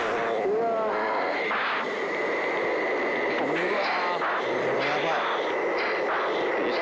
うわ。